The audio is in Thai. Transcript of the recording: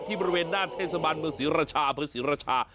ที่ประเวนหน้าเทศบันเมืองศิราชาอศิราชา